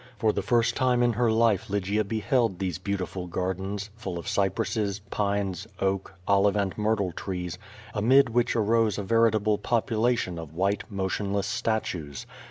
For the first time in her life Lygia beheld these beautiful gardens, full of cypresses, pines, oak, olive and myrtle trees, amid which arose a veritable population of white, motionless statues.